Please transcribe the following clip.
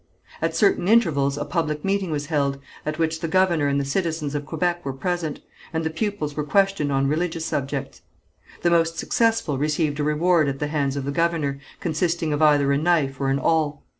At certain intervals a public meeting was held, at which the governor and the citizens of Quebec were present, and the pupils were questioned on religious subjects. The most successful received a reward at the hands of the governor, consisting of either a knife or an awl.